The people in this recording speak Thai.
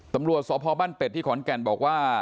ตำรวจสพบ้านเป็ดที่ขอนแก่นบอกว่า